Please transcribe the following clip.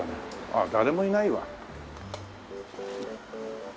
あっ誰もいないわ。